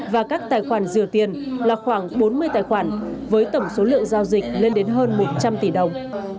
và các tài khoản rửa tiền là khoảng bốn mươi tài khoản với tổng số lượng giao dịch lên đến hơn một trăm linh tỷ đồng